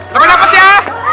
sampai dapat ya